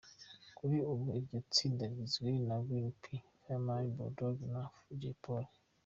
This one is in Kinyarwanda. Kuri ubu iryo tsinda rigizwe na Green P, Fireman, Bull Dogg na Jay Polly.